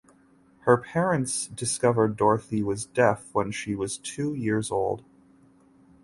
Her parents discovered Dorothy was deaf when she was two years old.